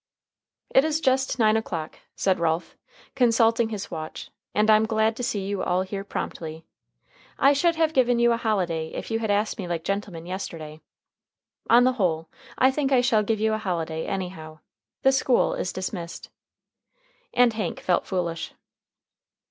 "It is just nine o'clock," said Ralph, consulting his watch, "and I'm glad to see you all here promptly. I should have given you a holiday if you had asked me like gentlemen yesterday. On the whole, I think I shall give you a holiday, anyhow. The school is dismissed." And Hank felt foolish.